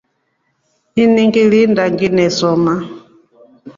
Ini ngilinda nginesoma.